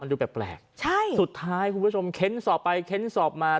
ดูแปลกใช่สุดท้ายคุณผู้ชมเค้นสอบไปเค้นสอบมา